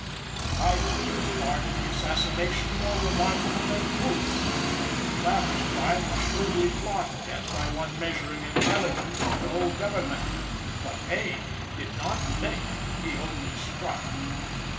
I think his part in the assassination more remarkable than Booth's, The latter's crime was shrewdly plotted, as by one measuring intelligence with the whole government. But Payne did not think he only struck!